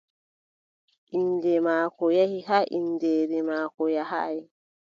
Innde maako yehi har inndeeri maako yahaay.